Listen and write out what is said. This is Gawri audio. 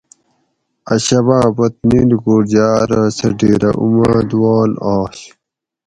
اۤ شباۤ پت نی لوکوٹ جاۤ ارو سہ ڈِھیرہ اُمادواۤل آش